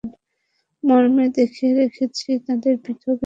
মর্মে রেখেছি তাদের পৃথক স্থানিক জীবনধারার প্রকাশ কীভাবে ঘটানো যায়, সেই ভাবনাকে।